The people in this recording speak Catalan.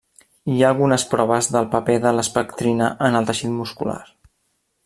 Hi ha algunes proves del paper de l'espectrina en el teixit muscular.